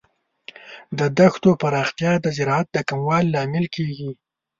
د دښتو پراختیا د زراعت د کموالي لامل کیږي.